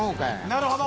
なるほど。